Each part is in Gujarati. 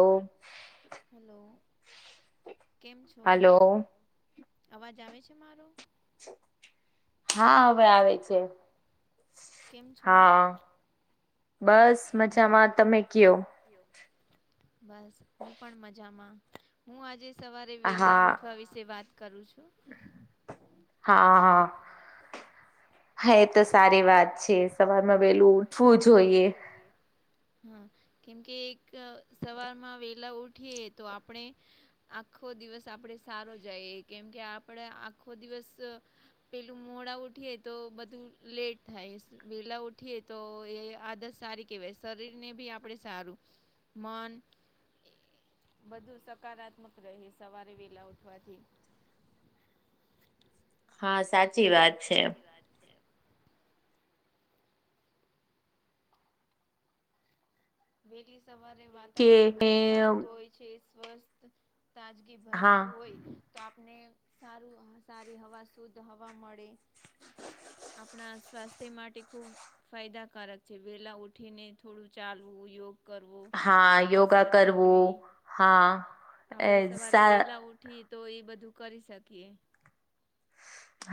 Hello hello. કેમ છો હલો અવાજ આવે છે મારો? હા હવે આવે છે. કેમ છો. બસ મજામાં તમે કયો. બસ હું પણ મજામાં હું આજે સવારે વેલા ઉઠવા વિશે વાત કરું છું. હા હા હ. હા એ તો સારી વાત છે તમારેમાં વેલું ઉઠવું જોઈએ. હા કેમકે એક સવારમાં વેલા ઉઠીએ તો આપણે. આખો દિવસ આપડે સારો જઈએ કેમ કે આપડ આખો દિવસ પેલું મોડા ઉઠીએ તો બધું લેટ થાય વેલા ઉઠીએ તો એ આદત સારી કેહેવાય શરીરને ભી આપણેે સારું. મન. બધું સકારાત્મક રહે સવારે વેલા ઉઠવાથી. હા સાચી વાત છે. વાત છેબ. વહેલી સવારે વાતાવરણ ખુબ શાંત હોય છે. છેસ વર્ષ તાજગી ભર્યું હોય. તો આપને સારું સારી હવા શુદ્ધ હવા મળે. આપણા સ્વાસ્થ્ય માટે ખુ ફાયદાકારક છે વેલા ઉઠીને થોડું ચાલવું યોગ કરત કર આપ સરે વેલા ઉ ઠી તો એ બધું કરી શકીએ.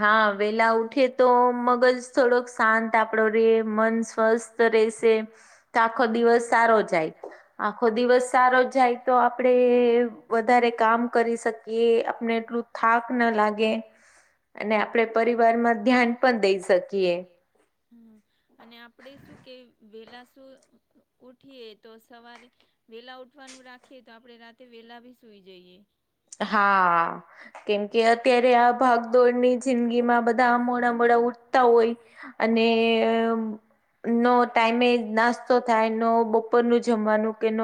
હા વેલા ઉઠે તો મગજ થોડોક શાંત આપડો રે મન સ્વસ્થ રહે. છે તો આખો દિવસ સારો જાય આખો દિવસ સારો જાય તો આપડે વધારે કામ કરી શકીએ આપને એટલું થાક ન લાગે. અને આપડે પરિવારમાં ધ્યાન પણ દઈ શકીએ. હમ્મ અને આપડે શું કે વેલા શું ઉઠીએ તો સવારે વેલા ઉઠવાનું રાખીએ તો આપડે રાતે વેલા ભી સુઈ જઈએ. હા કેમ કે અત્યારે આ ભાગ દોડ ની જિંદગી માં બધા મોડા મોડા ઉઠતા હોય અને નો ટાઈમે નાસ્તો થાય નો બપોરનું જમવાનું કે ન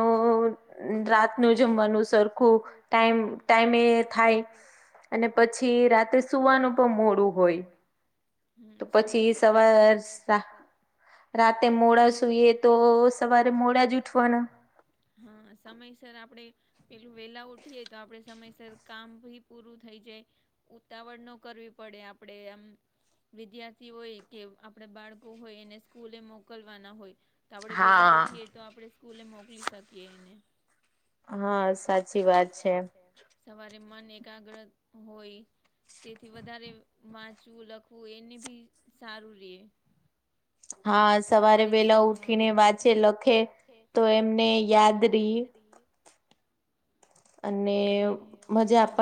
રાત નું જમવાનું સરખું ટાઈમ ટાઈમ ને થાય અને પછી રાત્રે સુવાનું પણ મોડું હોય હમ્મ સમયસર રાતે મોડા સુઈએ તો સવારે મોડા જ ઉઠવાના. હા સમયસર આપણે પેલું વેલા ઉઠીએ તો આપડે સમયસર કામ ભી પૂરું થઈ જાય ઉતાવળ ન કરવી પડે આપણે એમ વિદ્યાર્થી હોય કે આપણે બાળકો હોય એને સ્કૂલે મોકલવાના હોય. તો આપણેે વેલા ઉઠીએ તો આપણે સ્કૂલે મોકલી શકીએ એને. હા સાચી વાત છે. સવારે મન એકાગ્ર હોય. તેથી વધારે વાંચવુ લખવું તો એને બી સારું રે હા સવારે વેલા ઉઠીને વાંચે લખે તો એમને યાદ રે. અને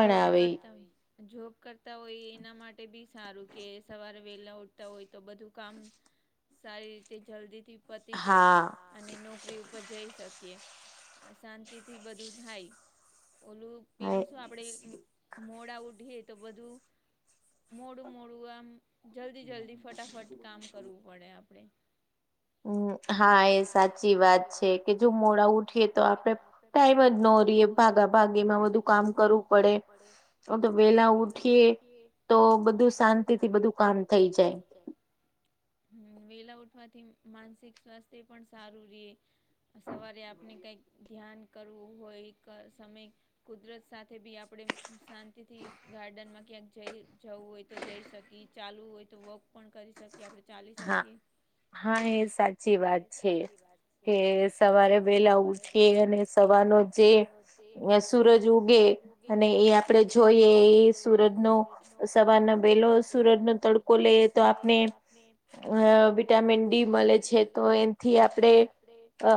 જોબ કરતા હોય જોબ કરતા હોય એના માટે બી સારું કે સવારે વેલા ઉઠતા હોય તો બધું કામ સારી રીતે જલ્દી થી પતી જાય અને નોકરી ઉપર જઈ શકીએ શાંતિ થી બધું થાય. ઓલું પેલું શું આપડે મોડા ઉઠે તો બધું મોડું મોડું આમ જલ્દી જલ્દી ફટાફટ કામ કરવું પડે આપણે. હમ હા એ સાચી વાત છે કે જો મોડા ઉઠીએ તો આપડે ટાઈમ જ નરીએ ભાગા ભાગીમાં બધું કામ કરવું પડે. તો વેલા ઉઠીએ તો બધું શાંતિ થી બધું કામ થઈ જાય. હમ વેલા ઉઠવાથી માનસિક સ્વાસ્થ્ય પણ સારું રે. સવારે આપને કઈ ધ્યાન કરવું હોય સમય કુદરત સાથે બી આપણે શાંતિથી ગાર્ડનમાં ક્યાંક જઈ જવું હોય તો જઈ શકીએ ચાલવું હોય તો વોક પણ કરી શકીએ આપણે ચાલી શકીએ. હા એ સા ચી વાત છે કે સવારે વેલા ઉઠીએ અને સવારનો જે સુરજ ઉગે અને એ આપડે જોઈએ એ સુરજ નો સવારના વહેલો સુરજ નો તડકો લે તો આપને અ વિટામિન ડી મલે છે. તો એથી આપણે અ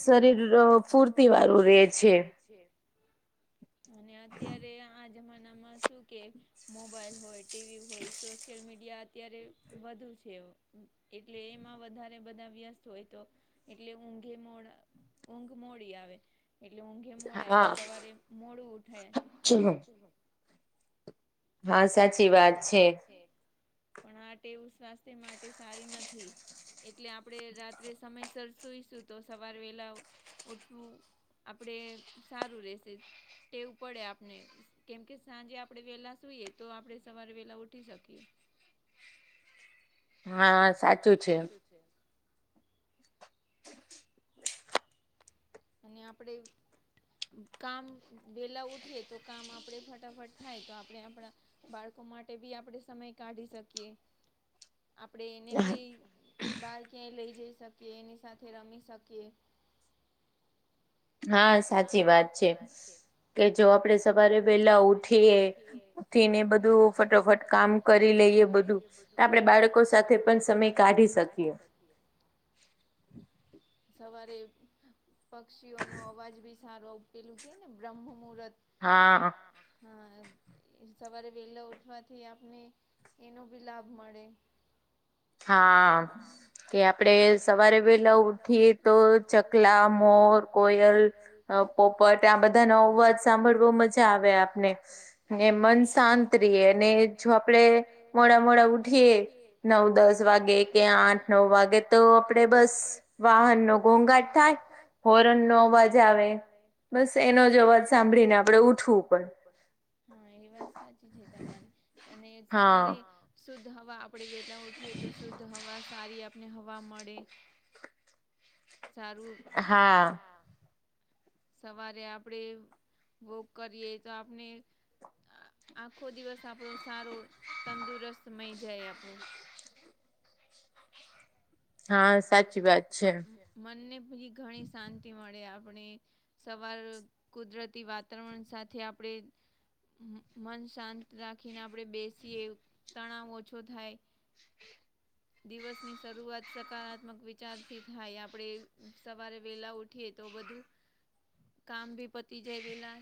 શરીર ફૂર્તિ વાળું રે છે. અને અત્યારે આજ જમાનામાં શું કે મોબાઈલ હોય ટીવી હોય સોશિયલ મીડિયા અત્યારે વધુ છે એટલે એમાં વધારે બધા વ્યસ્ત હોય તો એટલે ઊંઘે મોળા ઊંઘ મોડી આવે. એટલે ઊંઘે મોળા એલે હા સવારે મોળુ ઉઠે. હા સાચી વાત છે. પણ આ ટેવ સ્વાસ્થ્ય માટે સારી નથી. એટલે આપણે રાત્રે સમયસર સૂઈશું તો સવાર વહેલા ઉઠવું આપડે સારું રેશે. ટેવું પડે આપને કેમ કે સાંજે આપડણે વેલા સુઈએ. તો આપણેે સવારે વેલા ઉઠી શકીએ. હાઆ, સાચુ છે. અને આપડણેે. કામ વેલા ઉઠીએ તો કામ આપડે ફટાફટ થાય તો આપળે આપળા. બાળકો માટે બી આપણે સમય કાઢી શકીએ. આપડે એને બી બહાર ક્યાંય લઈ જઈ સકીએ, એની સાથે રમી સકીએ. હા, સાચી વાત છે. કે જો આપડે સવારે વેલા ઉઠીએ ઉઠીને બધુ ફટોફટ કામ કામ કરી લઈએ બધુ, આપણે બાળકો સાથે પણ સમય કાઢી શકીએ. સવારે પક્ષીઓનો અવાજ વિ સારો પેલુ કે ને બ્રહ્મ મુહર્ત. હા.. હા એ સવારે વેલો ઉઠવાથી આપને એનો ભી લાભ મળે. હા કે આપડે સવારે વેલા ઉઠીએ તો ચક ક્લા, મોર, કોયલ... અ પોપટ આ બધા નો અવાજ સાંભળવો મજા આવે આપને. ને મન સાંત રીએ ને જો આપડે મોડા મોડા ઉઠીએ નવ દસ દસ વાગે કે આઠ નવ વાગે તો આપડે બસ વાહન નો ઘોંઘાટ થાય. હોરન નો અવાજ આ મજા વે. બસ એનો જ અવાજ સાંભળીને આપડે ઉઠવું પડે હા, એ વાત સાચી છે તમારી અને સવારે શુદ્ધ હવા આપડે વેલા ઉઠીએ તો શુદ્ધ હવા સારી આપ ને હવા મળે. સારુ હા સવારે આપડે વોક કરીએ, તો આપને આ આખો દિવસ આપણો સારો તંદુરસ્ત મહી જાય આપણો. હા સાચી વાત છે. મનને બી ઘણી સાંતિ મળે આપળે. સવાર કુદરતી વાતવરણ સાથે આપળે મન શાંત રાખીને આપણે બેસીએ. તણાવ ઓછો થાય. દિવસની શરૂઆત સ કારાત્મક વિચારથી થાય આપણે સવારે વેલા ઉઠીએ તો બધુ કામ ભી પતી જાય વીલા.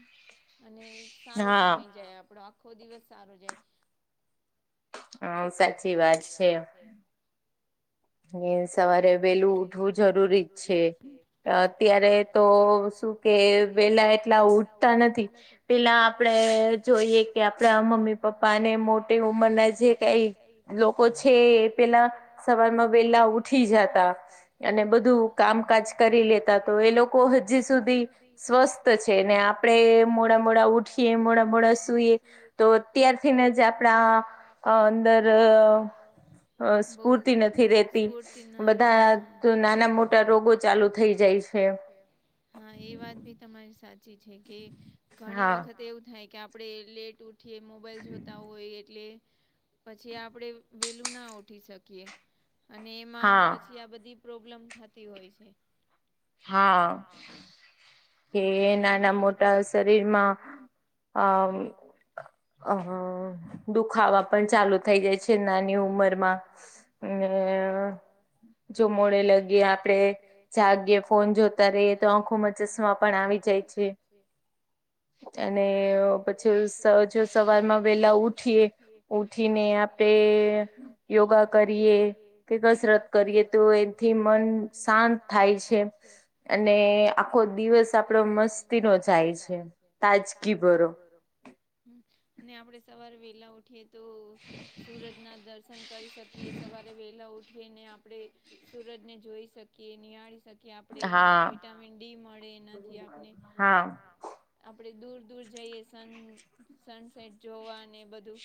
અને સારો સમય સા જાય, આપણો આખો દિવસ સારો જાય. અ, સાચી વાત છે. ની સવારે વેલુ ઉઠવુ જરૂરી જ છે. અત્યારે તો શું કે વેલા એટલા ઉઠતા નથી. પેલા આપડે જોઈએ કે આપણા મમ્મી પપ્પાને મોટી ઉંમર ના જે કઈ લોકો છે એ પેલા સવારમા વેલા ઉઠી જાતા અને બધું કામકાજ કરી લેતા તો એ લોકો હજી સુધી સ્વસ્થ છે ને આપડણે મોડા મોડા ઉઠીએ, મોડા મોડા સુઈએ. તો ત્યારથીને જ આપણા અંદર અ સ્ફૂર્તિ નથી. નથી [inaudible] સ્ફુરતિ ન આવી બધા નાના મોટા રોગો ચાલુ થઈ જાય છે. હા એ વાત બી તમારી સાચી છે, કે ઘણી વખત એવું થાય કે આપણે લેટ ઉ ઠીએ મોબાઈલ જોતા હોય એટલે પછી આપડે વેલું ના ઉઠી સકીએ. અને એમાં પછી આ બધી પ્રોબ્લેમ થતી હોય છે હા કે નાના મોટા શરીરમાં અમ અહ દુખાવા પણ ચાલુ થઈ જઈ છે. નાની ઉંમરમા [inaudible] ને જો મોળે લગી આપડે જાગ્યે. ફોન જોતા ર તો આંખોમાં ચશ્મા પણ આવી જાય છે અને પછી જો સવારમાં વેલા ઉઠીએ ઉઠી ને આપે યોગા કરીએ કે કસરત કરીએ તો એથી મન શાંત થાય છે અને આખો દિવસ આપડો મસ્તી નો જાય છે તજકીી બરોો હ અને આપડણે સવાર વેલા ઉઠીએ તો સુરજના દર્શન કરી શકીએ સવારે વહેલા ઉઠ ઉઠીને આપણે સુરજને જોઈ શકીએ નિહાળી શકીએણે આપ એ વિટામિન ડી મળે એનાથી આપણે આપણે દૂર દૂર જઈએ સન સનસેટ જોવાને બધું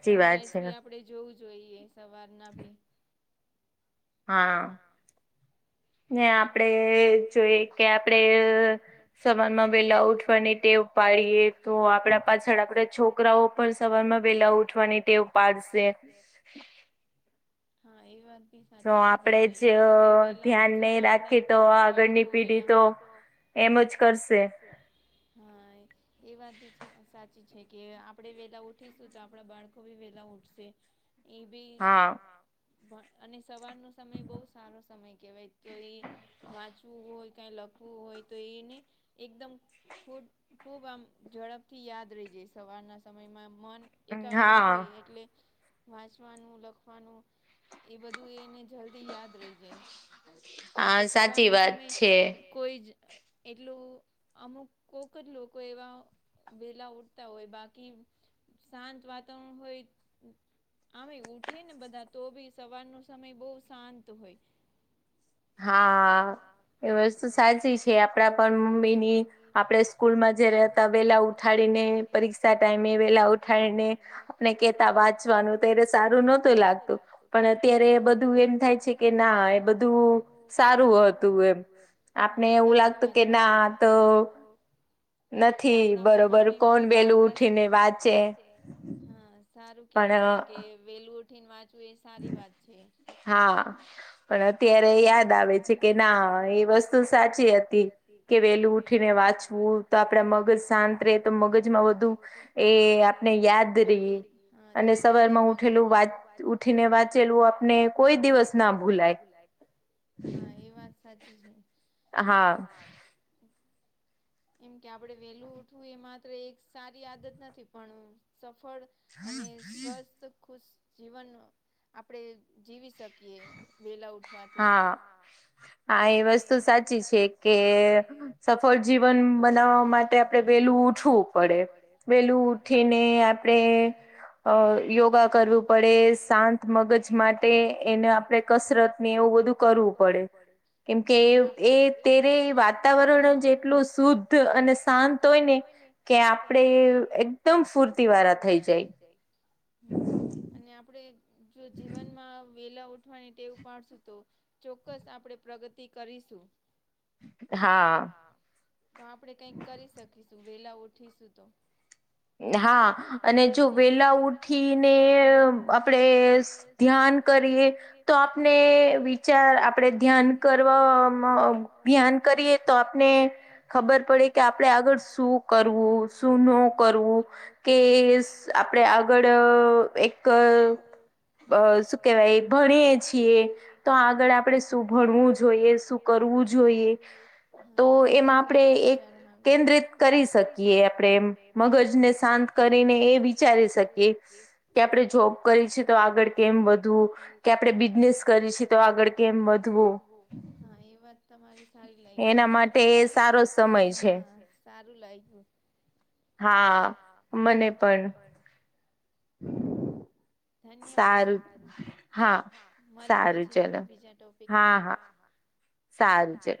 સનરાઈઝ ભી આપડે જોવું જોઈએ સવારના ભી હા ને આપડે જોઈએ કે આપણે સમાનમાં વેલા ઉઠવાની ટેવ ઉપડીએ તો આપડા પાછળ આપડા છોકરાઓ પણ સવાર માં વેલા ઉઠવાની ટેવ ઉપડશે હ હા એ વાત ભી સાચી છે તમારી ત્યા આપડે વેલા ઉ તો આપણા બાળકો વિલંબી તો એમ જ કરશે હા એક એ વાત બી સાચી છે કે આપડણે વેલા ઉઠીશું તો આપણા બાળકો ભી વેલા ઉઠશે એ ભી અને સવારનો સમય બહુ સારો સમય કેહેવાય તો એ વાંચવું હોય કંઈ લખવું હોય તો એને એકદમ ખુબ ખૂબ આમ ઝડપથી યાદ રહી જાય સવારના સમયમાં મન એકાગ્ર હોય એટલે વાંચવાનું લખવાનું એ બધું એને જલ્દી યાદ રહી જાય કેમ કે સવારનો સમય કોઈ જ એટલું અમુક કોક જ લોકો એવા વેલા ઉઠતા હોય બાકી શાંત વાતાવરણ હોય આમે ઉઠે ને બધા તો બી સવાર ન સમય બહુ શાંત હોય હા એ વસ્તુ સાચી છે આપડા પણ મમ્મી ની આપડે સ્કૂલ માં જયારે હતા વેલા ઉઠાળીને પરીક્ષા ટાઈમે વેલા ઉઠાળીને અને કેતા વાંચવાનું ત્યારે સારું નહતું લાગતું પણ અત્યારે બધું એમ થાય છે કે ના એ બધું સારું હતું એમ સાચી વાત તો કયે આપણા મમ્મી પપ્પા આપણા ઉઠીને વાંચે હા સારું કેતા તા કે વેલું ઉઠીને વાંચવું એ સારી વાત છે. હા પણ અત્યારે યાદ આવે છે કે ના એ વસ્તુ સાચી હતી કે વેલું ઉઠીને વાંચવું તો આપડા મગજ શાંત રે તો મગજમાં વધુ એ આપને યાદ રહે અને સવાર માં ઉઠેલું ઉઠીને વાંચેલું આપને ને કોઈ દિવસ ના ભૂલાય હા એ વાત સાચી છે. હા એમ કે આપણે વેલું ઉઠવું એ માત્ર એક સારી આદત નથી પણ સફળ અને સ્વસ્થ ખુશ જીવન આપડે જીવી શકીએ વેલા ઉઠવાથી. હા. હા એ વસ્તુ સાચી છે કે સફળ જીવન બનાવવા માટે આપણે વેલું ઉઠવું. પડે વેલું ઉઠીને આપડે અ યોગા કરવું પડે શાંત મગજ માટે એને આપડે કસરત ને એવું બધું કરવું પડે કેમકે એ અત્યારે વાતાવરણ જ એટલું શુદ્ધ અને શાંત હોય ને કે આપડે એકદમ સ્ફૂર્તી વાળા થઈ જાય હમ્મ અને આપડે જો જીવનમાં વેલા ઉઠવાની ટેવ પાડશું તો ચોક્કસ આપણે પ્રગતિ કરીશું. હા તો આપણેે કંઈક કરી શકીશું વેલા ઉઠીશું તો. હા અને જો વેલા ઉઠીને આપણેે ધ્યાન કરીએ તો આપણે વિચાર આપણેે ધ્યાન કરવા ધ્યાન કરીએ તો આપને ખબર પડે કે આપણે આગળ શું કરવું સુંનુ [unintelligible] કરવું કે આપણેે આગળ એક અ શું કેહેવાય ભણીએ છીએ તો આગળ આપણેે શું ભણવું જોઈએ કોઈ એ શું કરવુ જોઈએ. એ બધા સારા વિચાર આવે કેન્દ્ર કરી શકીએ આપણેે મગજ ને શાંત કરીને એ વિચારી શકીએ. કે આપણે જોબ કરી છે તો આગળ કેમ વધુ કે આપડે બિઝનેસ કરી છે તો આગળ કેમ વધુ હા એ વાત તમારી સારી લાગી મને તમારી સાથે વાત કરીને. સારું લાગ્યું. હા મને પણ. હમ સારું હા સારું ચલો હા હા સારું છે.